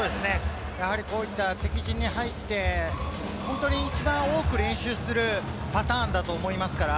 こういった敵陣に入って、一番多く、練習するパターンだと思いますから。